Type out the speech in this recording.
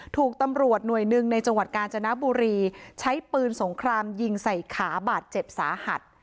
ถูกตำรวจหน่วยหนึ่งในจังหวัดกาญจนบุรีใช้ปืนสงครามยิงใส่ขาบาดเจ็บสาหัส